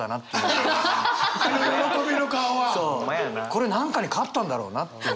これ何かに勝ったんだろうなっていう。